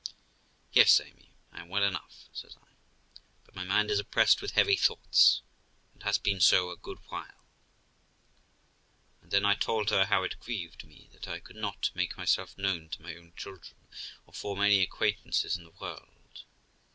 ' Yes, Amy, I am well enough ', says I, ' but my mind is oppressed with heavy thoughts, and has been so a good while'; and then I told her how it grieved me that I could not make myself known to my own children, or form any acquaintances in the world.